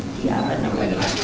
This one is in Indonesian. di apa namanya